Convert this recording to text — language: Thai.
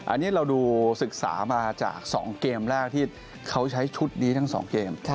อันนี้เราดูศึกษามาจาก๒เกมแรกที่เขาใช้ชุดนี้ทั้ง๒เกม